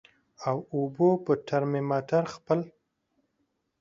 او اوبو په ترمامیټر خپل